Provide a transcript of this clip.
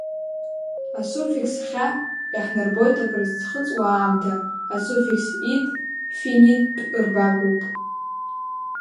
Асуффикс -хьа иаҳнарбоит акрызхыҵуа аамҭа, асуффикс -ит финиттә рбагоуп.